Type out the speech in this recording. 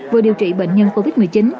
vừa điều trị bệnh nhân covid một mươi chín